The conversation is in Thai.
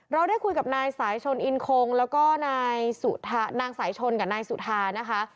เราได้คุยกับนายสายชนอินคงแล้วก็นายนางสายชนกับนายสุธานะคะ